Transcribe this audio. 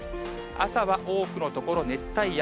朝は多くの所、熱帯夜。